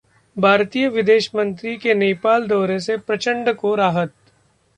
भारतीय विदेश मंत्री के नेपाल दौरे से प्रचंड को राहत